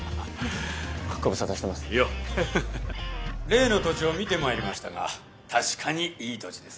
例の土地を見てまいりましたが確かにいい土地ですな。